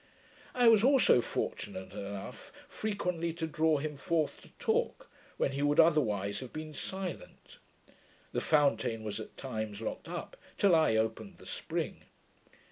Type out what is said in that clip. I was also fortunate enough frequently to draw him forth to talk, when he would otherwise have been silent. The fountain was at times locked up, till I opened the spring.